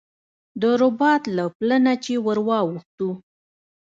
د رباط له پله نه چې ور واوښتو.